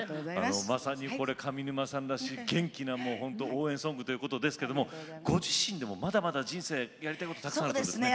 まさにこれ上沼さんらしい元気な応援ソングということですけどもご自身でもまだまだ人生やりたいことたくさんあるそうですね。